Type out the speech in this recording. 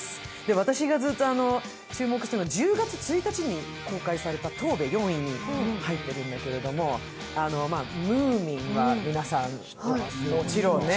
私がずっと注目しているのは、１０月１日に公開されたトーベ」が４位に入っているんだけど、ムーミンは皆さん知ってますよね、もちろん。